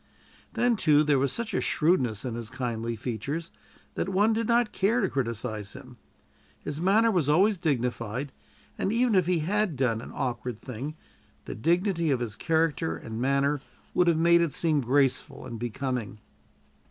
Then, too, there was such shrewdness in his kindly features that one did not care to criticise him. His manner was always dignified, and even if he had done an awkward thing the dignity of his character and manner would have made it seem graceful and becoming.